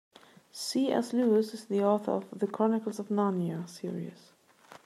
C.S. Lewis is the author of The Chronicles of Narnia series.